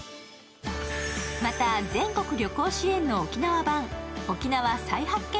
また全国旅行支援の沖縄版沖縄再発見